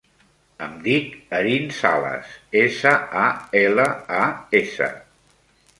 Em dic Erin Salas: essa, a, ela, a, essa.